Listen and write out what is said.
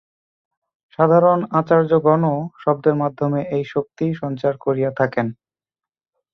সাধারণ আচার্যগণও শব্দের মাধ্যমে এই শক্তি সঞ্চার করিয়া থাকেন।